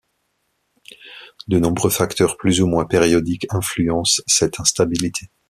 De nombreux facteurs plus ou moins périodiques influencent cette instabilité.